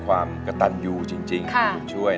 ความกระตันอยู่จริงคุณบุญช่วย